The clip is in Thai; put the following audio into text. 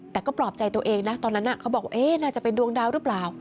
แต่ก็ปลอบใจตัวเองนะตอนนั้นเขาบอกน่าจะเป็นดวงดาวหรือเปล่า